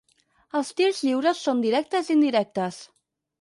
Els tirs lliures són directes i indirectes.